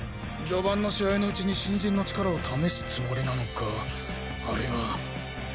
序盤の試合のうちに新人の力を試すつもりなのかあるいは。